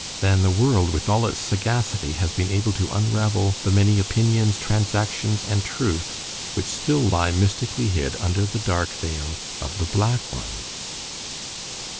than the world with all its sagacity has been able to unravel the many opinions, transactions, and truths which still lie mystically hid under the dark veil of the black one.